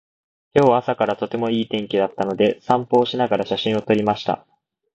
今日は朝からとてもいい天気だったので、散歩をしながら写真を撮りました。